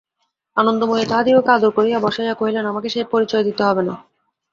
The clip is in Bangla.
আনন্দময়ী তাহাদিগকে আদর করিয়া বসাইয়া কহিলেন, আমাকে সে পরিচয় দিতে হবে না।